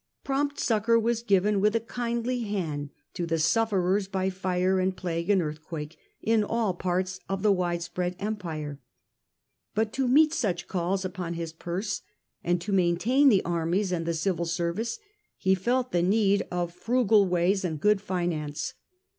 Prompt succour was given with a kindly hand to the sufferers by fire and plague and earthquake in all parts of the widespread empire. But to meet such calls upon his purse, and to maintain the armies and the civil service, he felt the need of frugal ways and good finance.